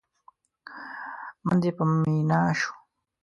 من دې په مينا شو؟!